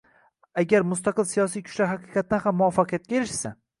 Agar mustaqil siyosiy kuchlar haqiqatan ham muvaffaqiyatga erishsa